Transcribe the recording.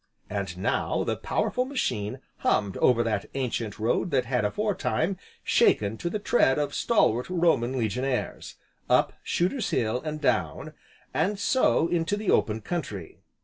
And now the powerful machine hummed over that ancient road that had aforetime, shaken to the tread of stalwart Roman Legionaries, up Shooter's Hill, and down, and so into the open country.